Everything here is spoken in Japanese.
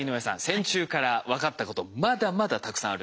線虫から分かったことまだまだたくさんあるんです。